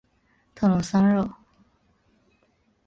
特龙桑热。